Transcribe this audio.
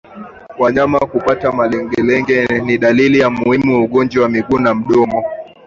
Wanyama kupata malengelenge ni dalili muhimu ya ugonjwa wa miguu na mdomo